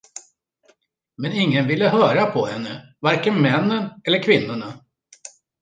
Men ingen ville höra på henne, varken männen eller kvinnorna.